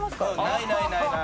ないないないない。